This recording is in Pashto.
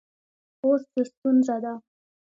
اوس څه ستونزه ده